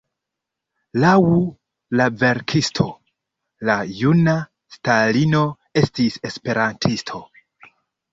Laŭ la verkisto, la juna Stalino estis esperantisto.